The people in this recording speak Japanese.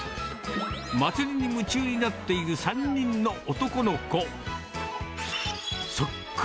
祭りに夢中になっている３人の男の子。